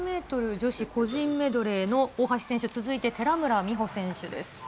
女子個人メドレーの、大橋選手、続いて寺村美穂選手です。